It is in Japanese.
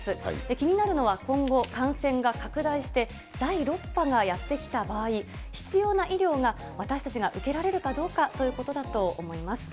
気になるのは今後、感染が拡大して、第６波がやってきた場合、必要な医療が私たちが受けられるかどうかということだと思います。